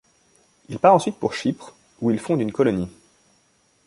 Il part ensuite pour Chypre où il fonde une colonie.